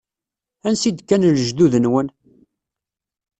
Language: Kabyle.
Ansi d-kkan lejdud-nwen?